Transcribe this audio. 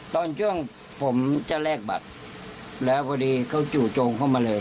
ตอนช่วงผมจะแลกบัตรแล้วพอดีเขาจู่โจมเข้ามาเลย